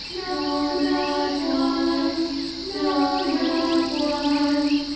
No, not one ! no, not one